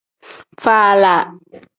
Faala.